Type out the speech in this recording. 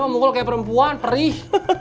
ya mukul kayak perempuan perih